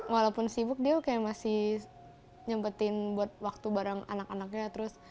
walaupun sibuk dia masih nyempetin waktu bareng anak anaknya